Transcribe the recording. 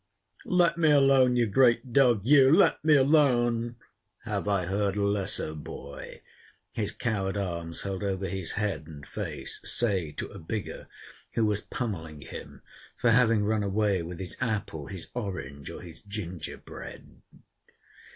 Let me alone, you great dog, you!—let me alone!—have I heard a lesser boy, his coward arms held over his head and face, say to a bigger, who was pommeling him, for having run away with his apple, his orange, or his ginger bread.